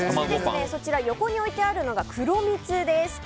そして、横に置いてあるのが黒蜜です。